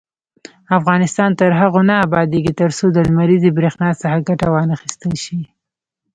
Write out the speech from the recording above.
افغانستان تر هغو نه ابادیږي، ترڅو د لمریزې بریښنا څخه ګټه وانخیستل شي.